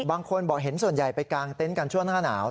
บางคนบอกเห็นส่วนใหญ่ไปกางเต็นต์กันช่วงหน้าหนาว